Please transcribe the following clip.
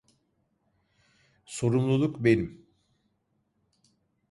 Sorumluluk benim.